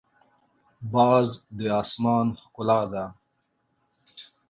باز د اسمان ښکلا ده